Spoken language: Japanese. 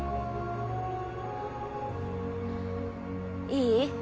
いい？